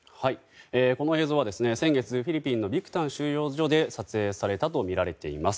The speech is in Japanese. この映像は先月フィリピンのビクタン収容所で撮影されたとみられています。